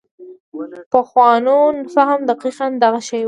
پخوانو فهم دقیقاً دغه شی و.